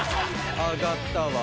あがったわ。